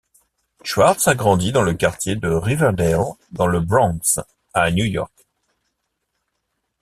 Schwartz a grandi dans le quartier de Riverdale dans le Bronx à New York.